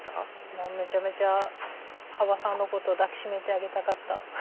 もうめちゃめちゃ羽馬さんのことを抱き締めてあげたかった。